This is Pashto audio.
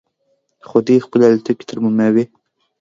خو دوی خپلې الوتکې ترمیموي.